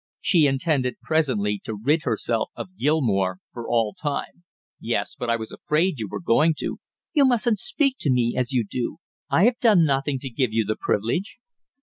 She intended presently to rid herself of Gilmore for all time. "Yes, but I was afraid you were going to." "You mustn't speak to me as you do; I have done nothing to give you the privilege."